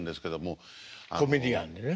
コメディアンでね。